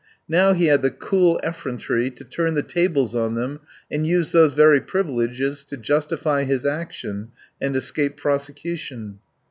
Now he had the cool effrontery to turn the tables on them and use those very privileges to justify his action and escape prosecution.